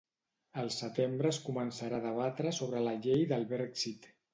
Al setembre es començarà a debatre sobre la llei del Brexit